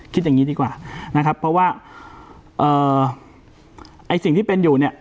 อย่างนี้ดีกว่านะครับเพราะว่าเอ่อไอ้สิ่งที่เป็นอยู่เนี่ย